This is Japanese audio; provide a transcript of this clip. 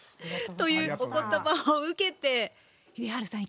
というお言葉を受けて秀治さん